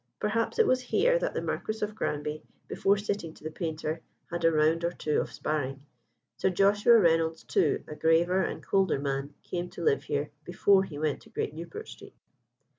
Perhaps it was here that the Marquis of Granby, before sitting to the painter, had a round or two of sparring. Sir Joshua Reynolds, too, a graver and colder man, came to live here before he went to Great Newport Street.